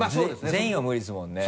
全員は無理ですもんね？